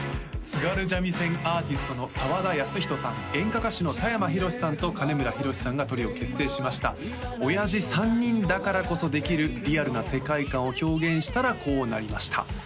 津軽三味線アーティストの澤田慶仁さん演歌歌手の田山ひろしさんと金村ひろしさんがトリオ結成しました親父３人だからこそできるリアルな世界観を表現したらこうなりました